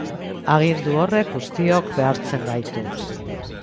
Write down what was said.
Agindu horrek guztiok behartzen gaitu.